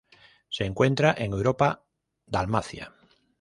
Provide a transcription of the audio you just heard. Se encuentra en Europa: Dalmacia.